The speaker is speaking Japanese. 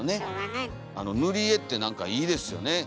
ぬりえってなんかいいですよね。